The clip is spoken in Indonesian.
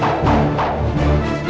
aku akan menang